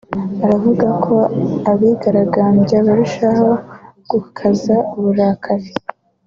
aravuga ko abigaragambya barushaho gukaza uburakari